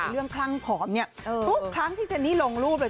คลั่งผอมเนี่ยทุกครั้งที่เจนนี่ลงรูปเลย